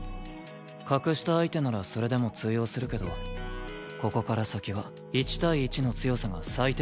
格下相手ならそれでも通用するけどここから先は１対１の強さが最低条件になる。